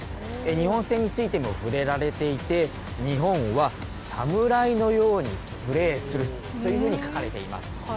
日本戦についても触れられていて、日本は侍のようにプレーするというふうに書かれています。